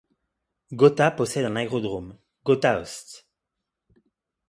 Gotha possède un aérodrome, Gotha-Ost.